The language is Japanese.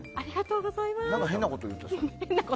なんか変なこと言ってました？